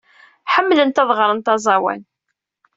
Ḥemmlent ad ɣrent aẓawan.